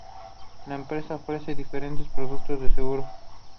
La empresa ofrece diferentes productos de seguros.